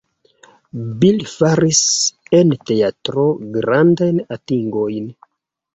Bill faris en teatro grandajn atingojn.